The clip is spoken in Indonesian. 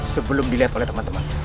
sebelum dilihat oleh teman teman